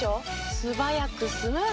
素早くスムーズ。